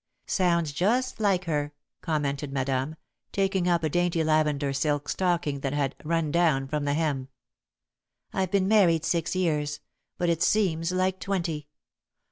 "Sounds just like her," commented Madame, taking up a dainty lavender silk stocking that had "run down" from the hem. "I've been married six years, but it seems like twenty.